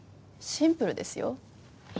シンプルですよ